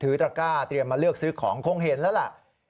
ตระก้าเตรียมมาเลือกซื้อของคงเห็นแล้วล่ะ